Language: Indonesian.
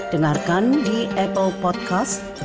dengarkan di apple podcasts